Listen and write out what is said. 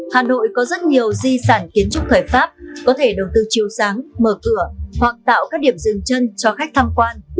hà nội có rất nhiều di sản kiến trúc thời pháp có thể đầu tư chiều sáng mở cửa hoặc tạo các điểm dừng chân cho khách tham quan